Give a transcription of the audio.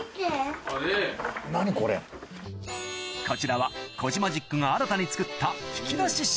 こちらはコジマジックが新たに作った